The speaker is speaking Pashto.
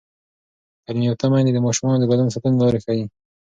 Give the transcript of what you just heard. تعلیم یافته میندې د ماشومانو د بدن ساتنې لارې ښيي.